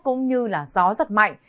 cũng như gió rất mạnh